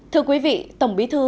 thưa quý vị tổng bí thư